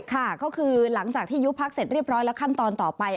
ค่ะก็คือหลังจากที่ยุบพักเสร็จเรียบร้อยแล้วขั้นตอนต่อไป